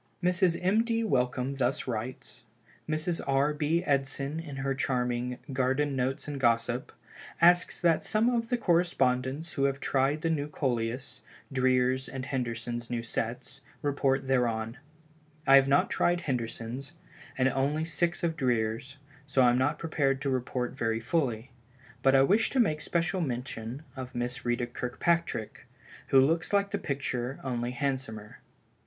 Mrs. M. D. Wellcome thus writes: "Mrs. R. B. Edson in her charming 'Garden Notes and Gossip,' asks that some of the correspondents who have tried the new Coleus, Dreer's and Henderson's new sets, report thereon. I have not tried Henderson's, and only six of Dreer's, so I am not prepared to report very fully. But I wish to make special mention of Miss Ritta Kirkpatrick, which looks like the picture only it is handsomer.